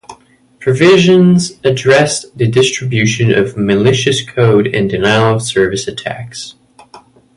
Provisions addressed the distribution of malicious code and denial of service attacks.